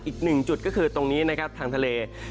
อีกหนึ่งจุดก็คือตรงนี้นะครับทางทะเล